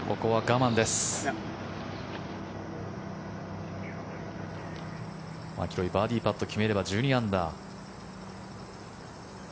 マキロイバーディーパット決めれば１２アンダー。